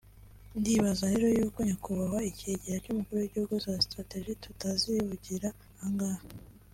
ndibaza rero y’uko nyakubahwa [icyegera cy’umukuru w’igihugu] za strategies tutazivugira ahangaha